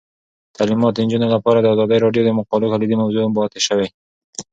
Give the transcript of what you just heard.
تعلیمات د نجونو لپاره د ازادي راډیو د مقالو کلیدي موضوع پاتې شوی.